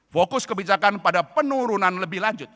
fokus kebijakan pada penurunan lebih lanjut